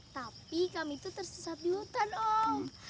tapi kami tuh tersesat di hutan om